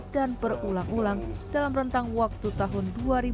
dan berulang ulang dalam rentang waktu tahun dua ribu sembilan belas